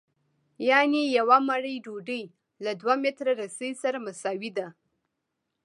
یانې یوه مړۍ ډوډۍ له دوه متره رسۍ سره مساوي ده